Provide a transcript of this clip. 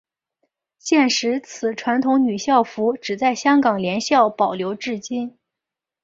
现时此传统女校服只在香港联校保留至今。